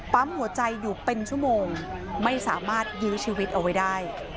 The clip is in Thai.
ปั๊มหัวใจอยู่เป็นชั่วโมงไม่สามารถยื้อชีวิตเอาไว้ได้